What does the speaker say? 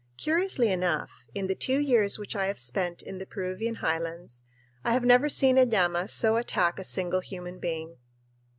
Curiously enough, in the two years which I have spent in the Peruvian highlands I have never seen a llama so attack a single human being.